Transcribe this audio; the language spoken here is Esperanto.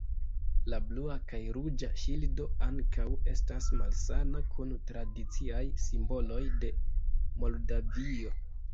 La blua kaj ruĝa ŝildo ankaŭ estas malsama kun tradiciaj simboloj de Moldavio.